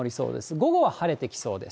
午後は晴れてきそうです。